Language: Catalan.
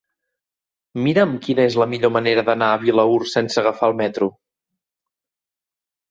Mira'm quina és la millor manera d'anar a Vilaür sense agafar el metro.